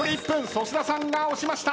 粗品さんが押しました。